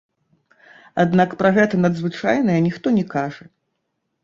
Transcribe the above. Аднак пра гэта надзвычайнае ніхто не кажа.